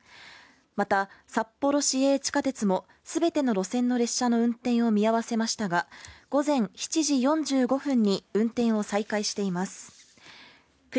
また札幌市営地下鉄も全ての列車の運転を見合わせましたが見合わせましたが、午前７時４５分に運転を再開しています。